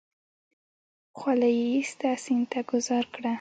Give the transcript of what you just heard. خولۍ يې ايسته سيند ته گوزار کړه.